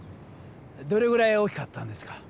どれぐらい大きかったんですか？